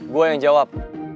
gue yang jawab